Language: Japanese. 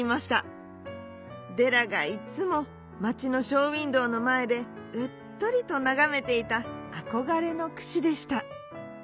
デラがいつもまちのショーウインドーのまえでうっとりとながめていたあこがれのくしでした。